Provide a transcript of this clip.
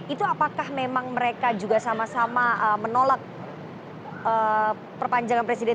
itu apakah memang mereka juga sama sama menolak perpanjangan presiden